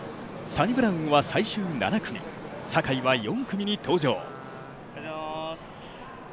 サニブラウンは最終７組、坂井は４組に登場。